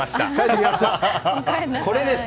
これです！